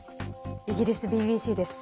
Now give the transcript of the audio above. イギリスＢＢＣです。